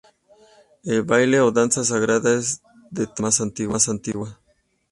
El baile o danza sagrada es de todas la más antigua.